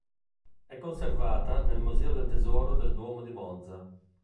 È conservata nel Museo del tesoro del duomo di Monza.